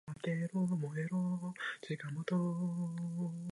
ちょっとお昼寝しようかな。